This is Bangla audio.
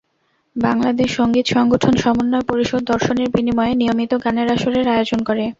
বাংলাদেশ সংগীত সংগঠন সমন্বয় পরিষদ দর্শনীর বিনিময়ে নিয়মিত গানের আসরের আয়োজন করে।